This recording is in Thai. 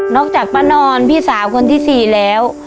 จากป้านอนพี่สาวคนที่๔แล้ว